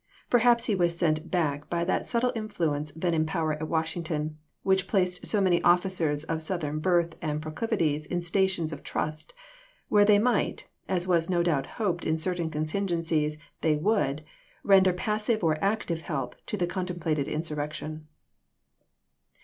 Perhaps he was sent back by that subtle influence then in power at Washington, which placed so many officers of Southern birth and proclivities in stations of trust, where they might, as was no doubt hoped in certain contingencies they would, render passive or active help to the contemplated insurrection.